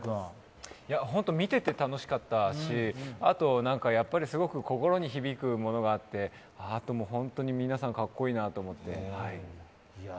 見てて楽しかったし、あと、すごく心に響くものがあって本当に皆さん、かっこいいなと思って。